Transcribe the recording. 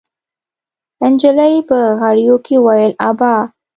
نجلۍ په غريو کې وويل: ابا!